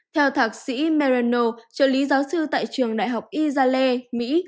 theo thạc sĩ merino trợ lý giáo sư tại trường đại học isale mỹ